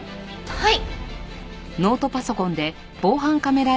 はい。